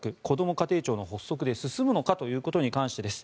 家庭庁の発足で進むのかということに関してです。